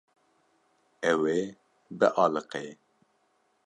Ew ê bialiqe.